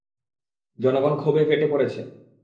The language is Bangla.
জনগন ক্ষোভে ফেটে পড়ছে।